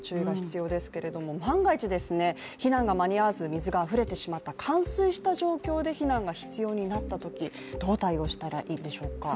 万が一、避難が間に合わず、水があふれてしまった、冠水した状況で避難が必要になったときどう対応したらいんでしょうか。